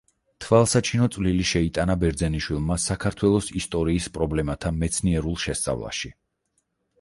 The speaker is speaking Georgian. თვალსაჩინო წვლილი შეიტანა ბერძენიშვილმა საქართველოს ისტორიის პრობლემათა მეცნიერულ შესწავლაში.